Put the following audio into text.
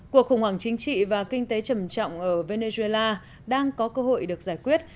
cuộc khủng hoảng chính trị và kinh tế trầm trọng ở venezuela đang có cơ hội được giải quyết